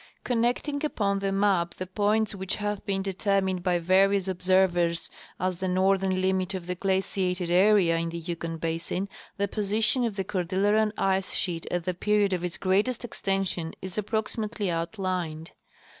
Connecting upon the map the points which have been de termined by various observers as the northern limit of the glaciated area in the Yukon basin, the position of the Cordil leran ice sheet at the period of its greatest extension is approxi mately outlined.